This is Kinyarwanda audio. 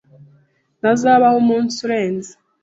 Ntazabaho umunsi urenze.